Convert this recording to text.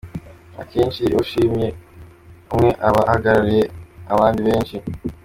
Akenshi iyo ushimiye umwe, aba ahagarariye abandi benshi.